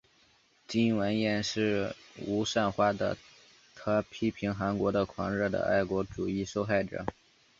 金完燮是与吴善花的他批评韩国的狂热的爱国主义受害者。